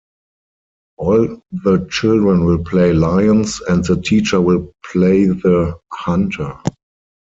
All the children will play "lions" and the teacher will play the "hunter".